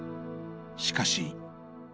しかし。